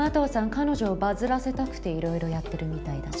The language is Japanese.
彼女をバズらせたくていろいろやってるみたいだし。